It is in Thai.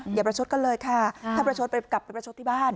อย่าประชดกันเลยค่ะถ้าประชดไปกลับไปประชดที่บ้าน